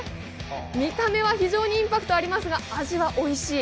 見た目は非常にインパクトありますが、味はおいしい。